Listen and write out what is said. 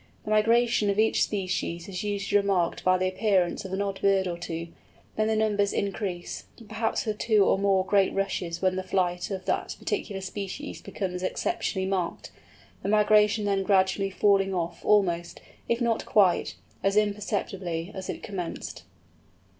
The migration of each species is usually first remarked by the appearance of an odd bird or two; then the numbers increase, perhaps with two or more great rushes when the flight of that particular species becomes exceptionally marked, the migration then gradually falling off almost, if not quite, as imperceptibly as it commenced.